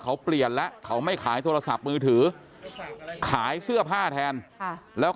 เขาเปลี่ยนแล้วเขาไม่ขายโทรศัพท์มือถือขายเสื้อผ้าแทนแล้ว